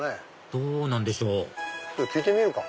どうなんでしょう聞いてみるか。